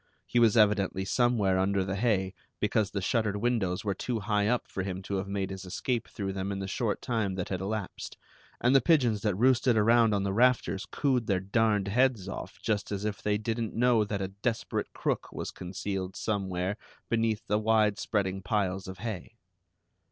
He was evidently somewhere under the hay, because the shuttered windows were too high up for him to have made his escape through them in the short time that had elapsed; and the pigeons that roosted around on the rafters cooed their darned heads off just as if they didn't know that a desperate crook was concealed somewhere beneath the wide spreading piles of hay.